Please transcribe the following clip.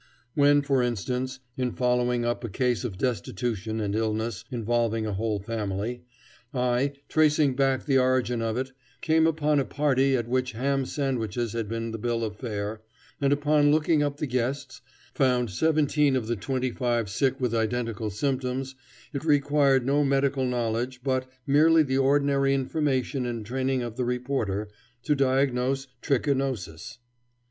When, for instance, in following up a case of destitution and illness involving a whole family, I, tracing back the origin of it, came upon a party at which ham sandwiches had been the bill of fare, and upon looking up the guests, found seventeen of the twenty five sick with identical symptoms, it required no medical knowledge, but merely the ordinary information and training of the reporter, to diagnose trichinosis.